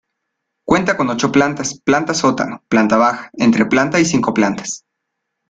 Cuenta con ocho plantas: planta sótano, planta baja, entreplanta y cinco plantas.